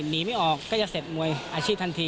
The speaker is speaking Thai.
หนีไม่ออกก็จะเสร็จมวยอาชีพทันที